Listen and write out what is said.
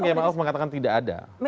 kiai ma'ruf mengatakan tidak ada